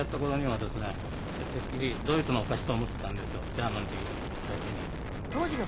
ジャーマンというだけに。